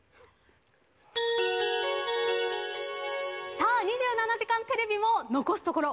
さあ「２７時間テレビ」も残すところ